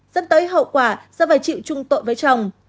dẫn tới hậu quả do phải chịu chung tội với chồng